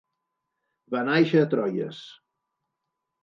Va nàixer a Troyes.